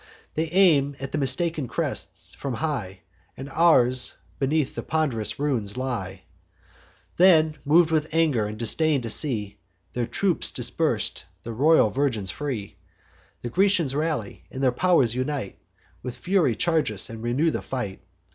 They aim at the mistaken crests, from high; And ours beneath the pond'rous ruin lie. Then, mov'd with anger and disdain, to see Their troops dispers'd, the royal virgin free, The Grecians rally, and their pow'rs unite, With fury charge us, and renew the fight.